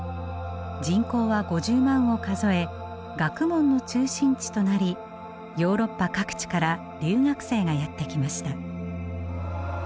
人口は５０万を数え学問の中心地となりヨーロッパ各地から留学生がやって来ました。